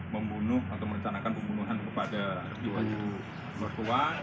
membunuh atau merencanakan pembunuhan kepada dua mertua